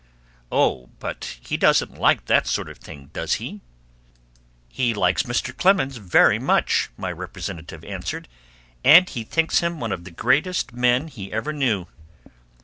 "Oh, but he doesn't like that sort of thing, does he?" "He likes Mr. Clemens very much," my representative answered, "and he thinks him one of the greatest men he ever knew."